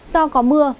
do có mưa